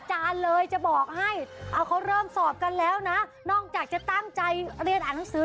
ไม่ได้สะบัดไม่ได้สะบัด